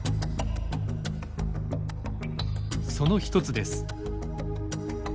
その一つです。